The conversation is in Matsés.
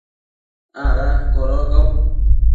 ¿ ada codocau?